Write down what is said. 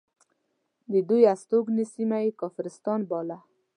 د دوی هستوګنې سیمه یې کافرستان باله.